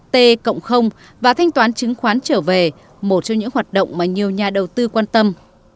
t cộng và thanh toán chứng khoán trở về một trong những hoạt động mà nhiều nhà đầu tư quan tâm